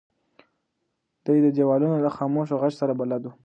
دی د دیوالونو له خاموشه غږ سره بلد و.